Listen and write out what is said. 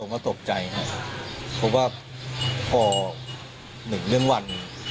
ก็ตกใจครับเพราะว่าพอหนึ่งเรื่องวัน